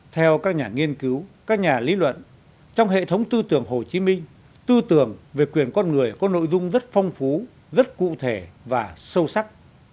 theo các nhà nghiên cứu các nhà lý luận trong hệ thống tư tưởng hồ chí minh tư tưởng về quyền con người có nội dung rất phong phú rất cụ thể và sâu sắc